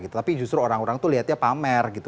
tapi justru orang orang tuh lihatnya pamer gitu